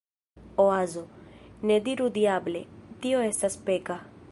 Oazo: "Ne diru "Diable!", tio estas peka!"